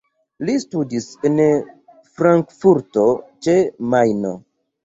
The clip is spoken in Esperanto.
Li studis en Frankfurto ĉe Majno.